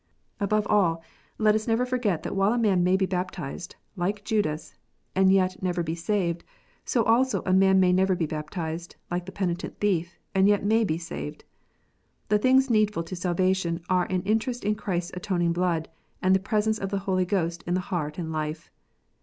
Above all, let us never forget that while a man may be baptized, like Judas, and yet never be saved, so also a man may never be baptized, like the penitent thief, and yet may be saved. The things needful to salvation are an interest in Christ s atoning blood, and the presence of the Holy Ghost in the heart and life.